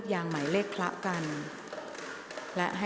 ออกรางวัลเลขหน้า๓ตัวครั้งที่๑ค่ะ